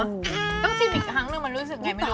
หนูต้องชิมอีกครั้งลืมมันรู้สึกไงไม่รู้อ่ะ